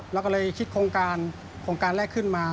เราก็เลยคิดโครงการโครงการแรกขึ้นมา